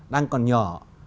đang còn nhỏ